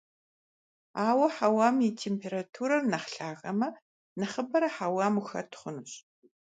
Ауэ хьэуам и температурэр нэхъ лъагэмэ, нэхъыбэрэ хьэуам ухэт хъунущ.